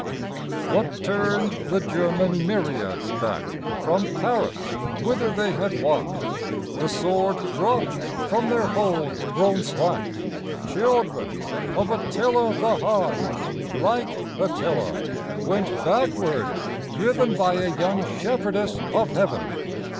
WHAT turned the German myriads back From Paris whither they had won ? The sword dropped from their hold grown slack ; Children of Attila the Hun, Like Attila, went backward driven By a young shepherdess of Heaven.